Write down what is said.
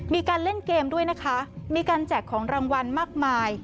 มีการเล่นเกมด้วยนะคะมีการแจกของรางวัลมากมาย